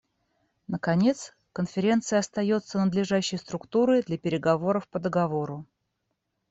Наконец, Конференция остается надлежащей структурой для переговоров по договору.